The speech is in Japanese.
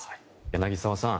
柳澤さん